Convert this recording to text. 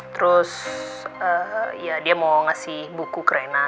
terus ya dia mau ngasih buku ke rina